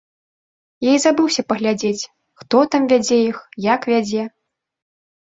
Я і забыўся паглядзець, хто там вядзе іх, як вядзе.